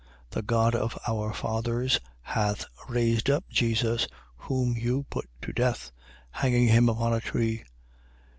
5:30. The God of our fathers hath raised up Jesus, whom you put to death, hanging him upon a tree.